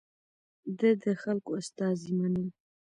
ده د خلکو استازي منل.